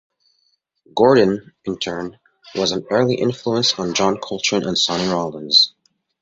Gordon, in turn, was an early influence on John Coltrane and Sonny Rollins.